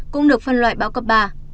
cũng được phân loại bão cấp ba